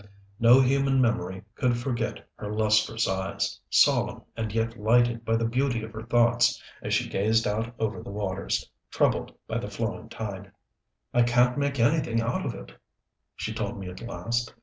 No human memory could forget her lustrous eyes, solemn and yet lighted by the beauty of her thoughts, as she gazed out over the waters, troubled by the flowing tide. "I can't make anything out of it," she told me at last.